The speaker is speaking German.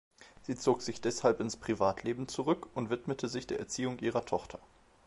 Sie zog sich deshalb ins Privatleben zurück und widmete sich der Erziehung ihrer Tochter.